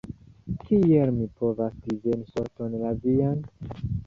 Kiel mi povas diveni sorton la vian?